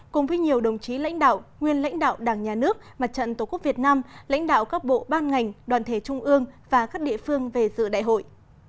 cùng với nhiều đồng chí lãnh đạo nguyên lãnh đạo đảng nhà nước mặt trận tổ quốc việt nam lãnh đạo các bộ ban ngành đoàn thể trung ương và các địa phương về dự đại hội